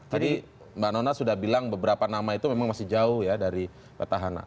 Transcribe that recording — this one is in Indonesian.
jadi mbak nona sudah bilang beberapa nama itu memang masih jauh ya dari petahana